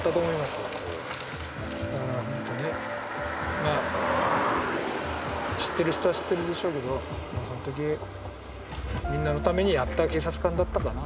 まあ知ってる人は知ってるでしょうけどそのときみんなのためにやった警察官だったかなと。